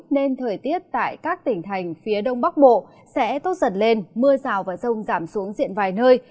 nên thời tiết tại các tỉnh thành phía đông bắc bộ sẽ tốt giật lên mưa rào và rông giảm xuống diện vài nơi